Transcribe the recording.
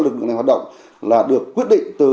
lực lượng hoạt động là được quyết định từ